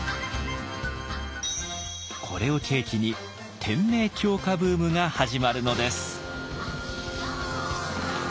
これを契機に“天明狂歌”ブームが始まるのです。